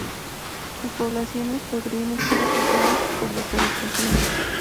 Sus poblaciones podrían estar afectadas por deforestación.